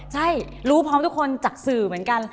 ใช่รู้พร้อมทุกคนจากสื่อเหมือนกัน